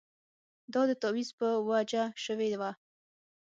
دا د تاویز په وجه شوې وه.